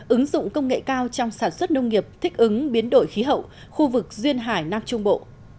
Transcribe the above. ứng dụng công nghệ cao trong sản xuất nông nghiệp thích ứng biến đổi khí hậu khu vực duyên hải nam trung bộ